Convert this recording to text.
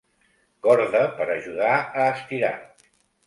Corda per ajudar a estirar.